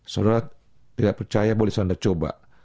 saudara tidak percaya boleh selalu dicoba